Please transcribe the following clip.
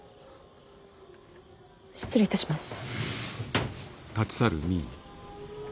失礼いたしました。